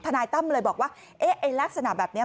นายตั้มเลยบอกว่าลักษณะแบบนี้